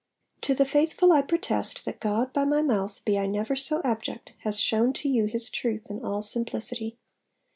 'To the faithful I protest, that God, by my mouth, be I never so abject, has shewn to you His truth in all simplicity.